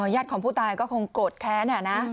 ญาติของผู้ตายก็คงโกรธแค้น